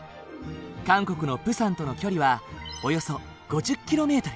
韓国のプサンとの距離はおよそ５０ｋｍ。